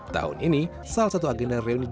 tahun ini salah satu agenda reuni dua ratus dua belas